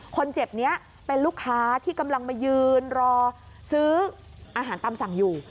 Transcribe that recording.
คนเจ็บนี้เป็นลูกค้าที่กำลังมายืนรอซื้ออาหารตามสั่งอยู่